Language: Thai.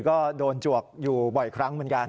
ก็โดนจวกอยู่บ่อยครั้งเหมือนกัน